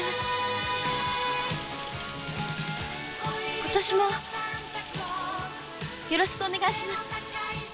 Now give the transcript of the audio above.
今年もよろしくお願いします。